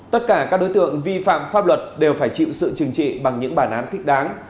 tất cả các đối tượng vi phạm pháp luật đều phải chịu sự trừng trị bằng những bản án thích đáng